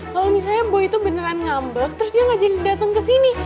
kalau misalnya boy tuh beneran ngambek terus dia gak jadi datang ke sini